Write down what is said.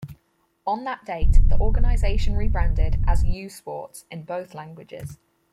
On that date, the organization rebranded as "U Sports" in both languages.